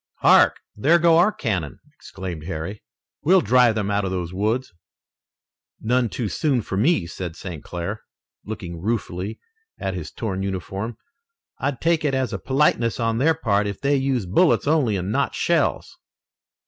"Hark! there go our cannon!" exclaimed Harry. "We'll drive them out of those woods." "None too soon for me," said St. Clair, looking ruefully at his torn uniform. "I'd take it as a politeness on their part if they used bullets only and not shells."